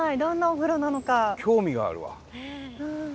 興味があるわ。